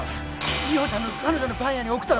美穂ちゃんの彼女のパン屋に送ったろ？